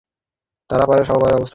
পরে তাঁরা শাহবাগে অবস্থান নেন।